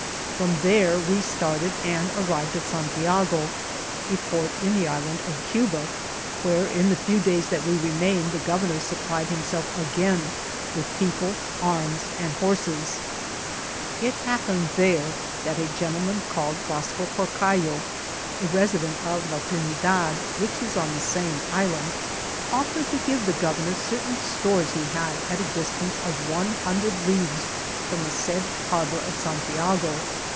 From there we started and arrived at San tiago (a port in the Island of Cuba) where, in the few days that we remained the Gov ernor supplied himself again with people, arms and horses. It happened there that a gentleman called Vasco Porcallo, a resi dent of la Trinidad (which is on the same island), offered to give the Governor certain stores he had at a distance of 100 leagues from the said harbor of San tiago.